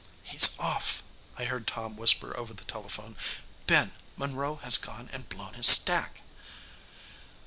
"He's off," I heard Tom whisper over the telephone. "Ben, Monroe has gone and blown his stack."